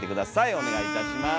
お願いいたします。